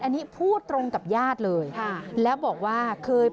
อันนี้พูดตรงกับญาติเลย